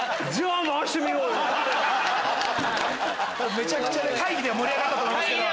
めちゃくちゃ会議で盛り上がったと思いますけど。